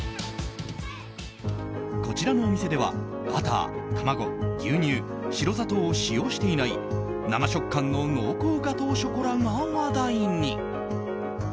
こちらのお店ではバター、卵、牛乳、白砂糖を使用していない、生食感の濃厚ガトーショコラが話題に。